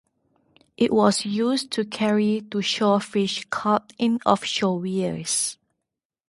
It was used to carry to shore fish caught in offshore weirs.